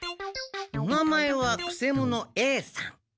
お名前はくせ者Ａさん。